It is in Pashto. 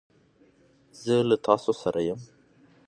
زه له تاسو سره یم.